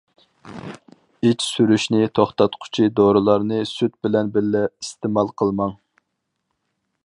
ئىچ سۈرۈشنى توختاتقۇچى دورىلارنى سۈت بىلەن بىللە ئىستېمال قىلماڭ.